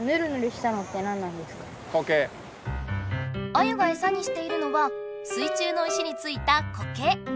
アユがエサにしているのは水中の石についたこけ。